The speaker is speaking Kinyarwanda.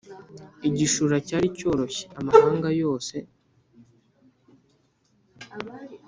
igishura cyari cyoroshe amahanga yose.